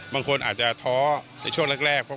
บางคนอาจจะท้อในช่วงแรกเพราะความพิการเขา